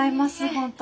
本当。